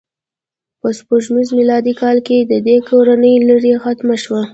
په سپوږمیز میلادي کال کې د دې کورنۍ لړۍ ختمه شوه.